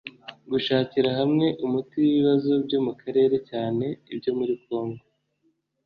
gushakira hamwe umuti w’ibibazo byo mu karere cyane ibyo muri Congo